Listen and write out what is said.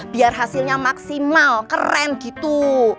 biar hasilnya maksimal keren gitu